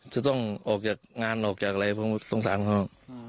จะต้องออกจากงานออกจากอะไรผมสงสารเขา